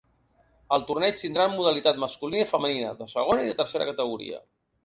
El torneig tindrà modalitat masculina i femenina, de segona i de tercera categoria.